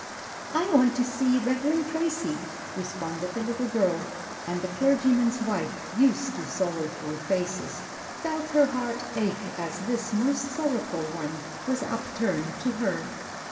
"I want to see the Reverend Tracy," responded the little girl, and the clergyman's wife, used to sorrowful faces, felt her heart ache as this most sorrowful one was upturned to her.